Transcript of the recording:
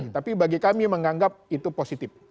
tapi bagi kami menganggap itu positif